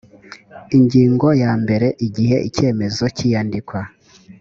ingingo ya mbere igihe icyemezo cy iyandikwa